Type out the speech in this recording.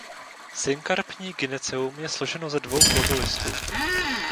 Synkarpní gyneceum je složeno se dvou plodolistů.